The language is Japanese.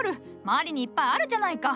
周りにいっぱいあるじゃないか。